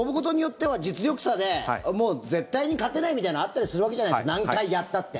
例えば、結構勝負事によっては、実力差でもう絶対に勝てないみたいなのあったりするわけじゃないですか何回やったって。